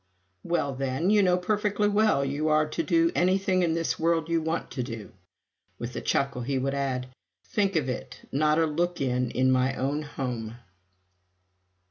"Well, then, you know perfectly well you are to do anything in this world you want to do." With a chuckle he would add, "Think of it not a look in in my own home!"